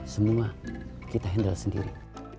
semua kita handle sendiri